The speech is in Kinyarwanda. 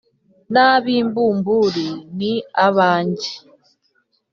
n’ab’imbumburi ni abanjye